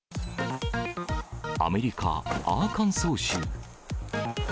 アメリカ・アーカンソー州。